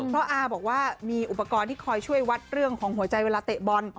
เพราะอาบอกว่ามีอุปกรณ์ที่คอยช่วยวัดเรื่องของหัวใจเวลาเตะบอล